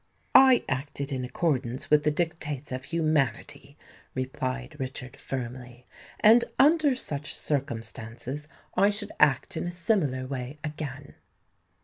"I acted in accordance with the dictates of humanity," replied Richard firmly; "and under such circumstances I should act in a similar way again."